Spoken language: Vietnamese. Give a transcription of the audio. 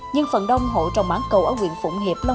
nhưng phần đông hộ trồng mảng cầu